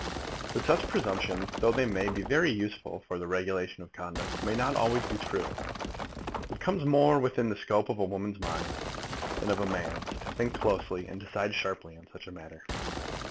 But such presumptions, though they may be very useful for the regulation of conduct, may not be always true. It comes more within the scope of a woman's mind, than that of a man's, to think closely and decide sharply on such a matter.